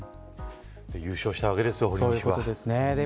優勝したわけですね